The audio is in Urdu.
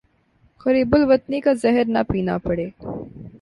غریب الوطنی کا زہر نہ پینا پڑے